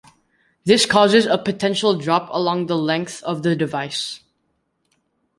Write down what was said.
This causes a potential drop along the length of the device.